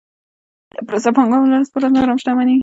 دا پروسه پانګوال ورځ په ورځ نور هم شتمنوي